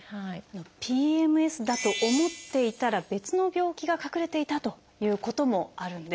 ＰＭＳだと思っていたら別の病気が隠れていたということもあるんです。